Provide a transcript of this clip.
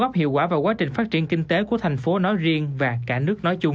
phát triển kinh tế của thành phố nói riêng và cả nước nói chung